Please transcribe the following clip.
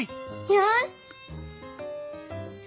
よし！